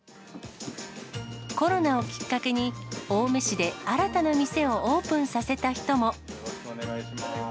コロナをきっかけに、青梅市で新たな店をオープンさせた人も。